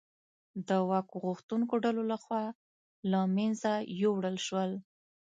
د واک غوښتونکو ډلو لخوا له منځه یووړل شول.